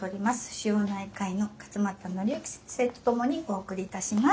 腫瘍内科医の勝俣範之先生とともにお送りいたします。